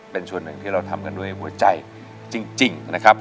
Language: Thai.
เป็นส่วนหนึ่งที่เราทำกันด้วยหัวใจจริงนะครับ